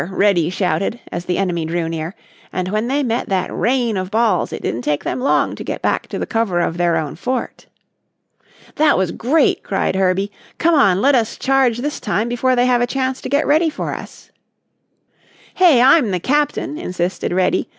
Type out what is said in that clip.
Reddy shouted, as the enemy drew near, and when they met that rain of balls it didn't take them long to get back to the cover of their own fort. "That was great!" cried Herbie. "Come on, let us charge this time before they have a chance to get ready for us." "Hey, I'm the Captain," insisted Reddy.